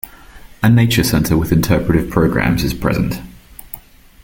A nature center with interpretive programs is present.